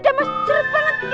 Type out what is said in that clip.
jeret banget itu tuh tuh alam